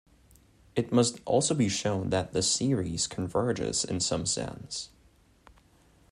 It also must be shown that the series converges in some sense.